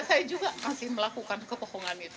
saya juga masih melakukan kebohongan itu